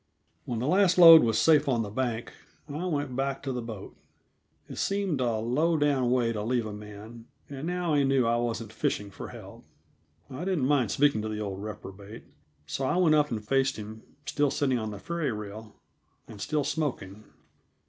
When the last load was safe on the bank, I went back to the boat. It seemed a low down way to leave a man, and now he knew I wasn't fishing for help, I didn't mind speaking to the old reprobate. So I went up and faced him, still sitting on the ferry rail, and still smoking.